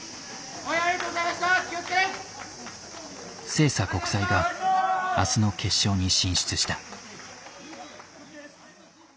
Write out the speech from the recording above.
星槎国際が明日の決勝に進出した。